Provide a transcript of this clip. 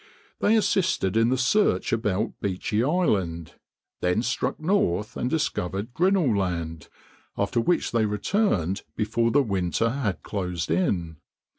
They assisted in the search about Beechey Island, then struck north and discovered Grinnell Land, after which they returned before the winter had closed in.